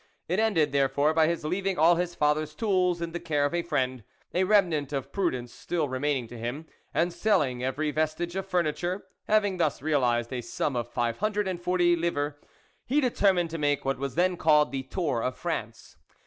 It ended, therefore, by his leaving all his father's tools in the care of a friend, a remnant of prudence still re maining to him, and selling every ves tige of furniture ; having thus realised a sum of five hundred and forty livres, he determined to make what was then called the tour of France.